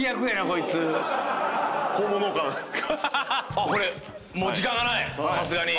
あっこれもう時間がない⁉さすがに。